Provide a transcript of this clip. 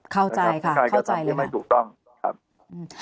เข้าใจค่ะเข้าใจเลยครับพี่นายก็ทำที่ไม่ถูกต้องครับพี่นายก็ทำที่ไม่ถูกต้อง